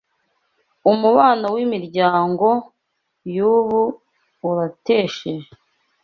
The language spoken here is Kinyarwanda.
Umubano w’imiryango yubu uratesheje